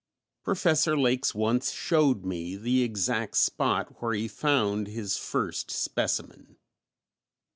Professor Lakes once showed me the exact spot where he found his first specimen.